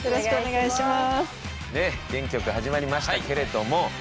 元気よく始まりましたけれども。